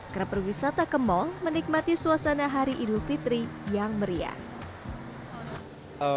kerapewisata ke mall menikmati suasana hari idul fitri yang meriah